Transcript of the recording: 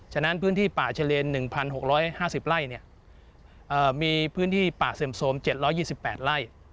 ฉะนั้นพื้นที่ป่าเฉลียน๑๖๕๐ไร่มีพื้นที่ป่าเสื่อมโทรม๗๒๘ไร่